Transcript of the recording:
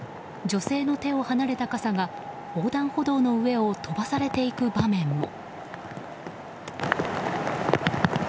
女性の手を離れた傘が横断歩道の上を飛ばされていく場面も。